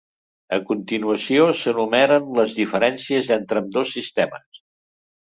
A continuació s'enumeren les diferències entre ambdós sistemes.